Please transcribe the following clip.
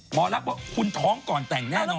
ลักษ์ว่าคุณท้องก่อนแต่งแน่นอน